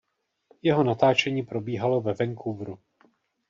Jeho natáčení probíhalo ve Vancouveru.